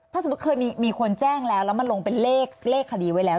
ถ้าสมมุติเคยมีคนแจ้งแล้วแล้วมาลงเป็นเลขคดีไว้แล้ว